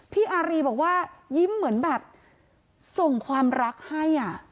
อารีบอกว่ายิ้มเหมือนแบบส่งความรักให้